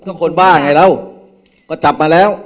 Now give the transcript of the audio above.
ก็คนบ้าไงเราก็จับมาแล้ว